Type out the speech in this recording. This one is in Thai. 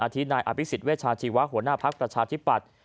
ที่นายอภิษฎเวชาชีวะหัวหน้าภักดิ์ประชาธิปัตย์